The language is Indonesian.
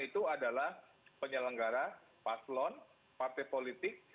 itu adalah penyelenggara paslon partai politik